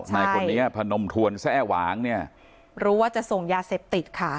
นายคนนี้พนมทวนแซ่หวางเนี่ยรู้ว่าจะส่งยาเสพติดค่ะ